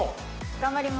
頑張ります。